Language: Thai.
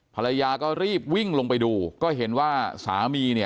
ไปดูก็เห็นว่าสามี